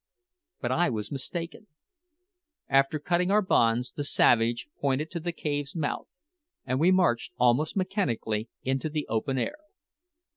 But I was mistaken. After cutting our bonds the savage pointed to the cave's mouth, and we marched, almost mechanically, into the open air.